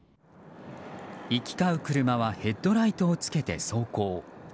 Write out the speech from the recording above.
行き交う車はヘッドライトをつけて走行。